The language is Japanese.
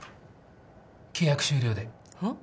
契約終了でほっ？